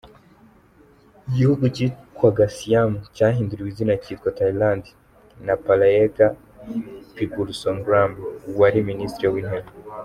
Igihugu cyitwaga Siam cyahinduriwe izina cyitwa Thailand na Plaek Pibulsonggram wari minisitiri w’intebe.